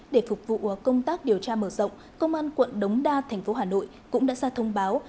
để phục vụ công tác điều tra mở rộng công an quận đống đa thành phố hà nội cũng đã ra thông báo